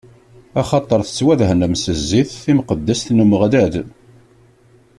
Axaṭer tettwadehnem s zzit timqeddest n Umeɣlal.